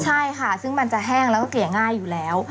ใช่ค่ะซึ่งมันจะแห้งแล้วก็เกลี่ยง่ายอยู่แล้ว